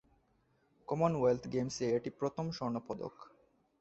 Commonwealth গেমসে এটি প্রথম স্বর্ণপদক।